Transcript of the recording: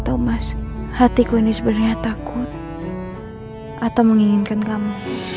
tahu mas hatiku ini sebenarnya takut atau menginginkan kamu